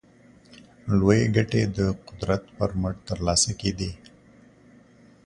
لویې ګټې د قدرت پر مټ ترلاسه کېدې.